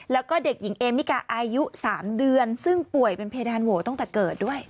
แล้วก็เด็กหญิงเอมิกาอายุ๓เดือนซึ่งป่วยเป็นเพดานโหวตั้งแต่เกิดด้วย